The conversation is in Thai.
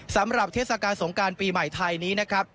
สำหรับเทศกาสงคราญปีใหม่ไทย